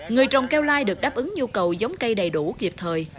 người trồng keo lai được đáp ứng nhu cầu giống cây đầy đủ kịp thời